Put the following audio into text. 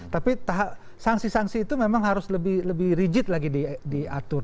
tapi sanksi sanksi itu memang harus lebih rigid lagi diatur